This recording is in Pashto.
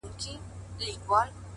د بې جوړې زړه سپين دی لکه ستا اننگي”